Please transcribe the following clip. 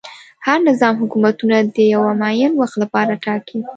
هر نظام حکومتونه د یوه معین وخت لپاره ټاکي.